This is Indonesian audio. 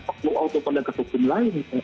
pukul auto pondang kekejuan lain